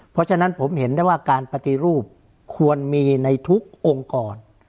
เพราะฉะนั้นผมเห็นได้ว่าการปฏิรูปควรมีในทุกองค์กร